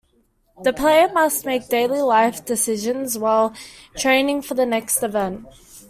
The player must make daily life decisions while training for the next event.